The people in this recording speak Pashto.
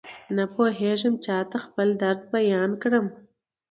نپوهېږم چاته خپل درد بيان کړم.